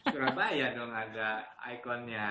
surabaya dong ada ikonnya